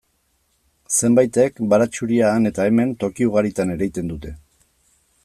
Zenbaitek baratxuria han eta hemen, toki ugaritan ereiten dute.